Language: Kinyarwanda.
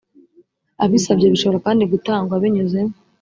abisabye bishobora kandi gutangwa binyuze